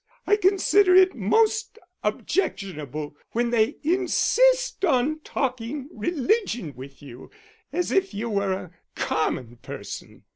I consider it most objectionable when they insist on talking religion with you, as if you were a common person....